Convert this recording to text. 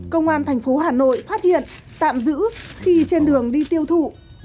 công an thành phố hà nội phát hiện tạm giữ khi trên đường đi tiêu thụ